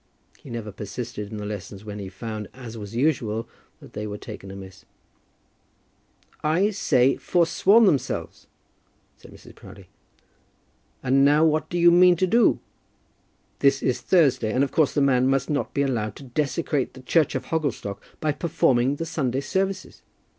He never persisted in the lessons when he found, as was usual, that they were taken amiss. "I say forsworn themselves!" said Mrs. Proudie; "and now what do you mean to do? This is Thursday, and of course the man must not be allowed to desecrate the church of Hogglestock by performing the Sunday services."